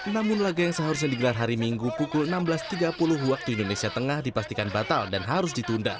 namun laga yang seharusnya digelar hari minggu pukul enam belas tiga puluh waktu indonesia tengah dipastikan batal dan harus ditunda